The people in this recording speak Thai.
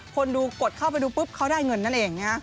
คนดูกดเข้าไปดูปุ๊บเขาได้เงินนั่นเอง